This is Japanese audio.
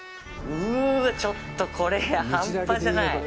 ちょっと、これ半端じゃない。